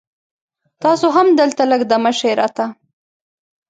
تاسو هم دلته لږ دمه شي را ته